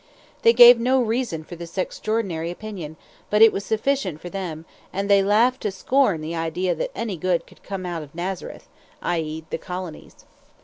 They gave no reason for this extraordinary opinion, but it was sufficient for them, and they laughed to scorn the idea that any good could come out of Nazareth i.e., the Colonies.